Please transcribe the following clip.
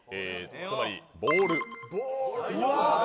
つまり、ボール。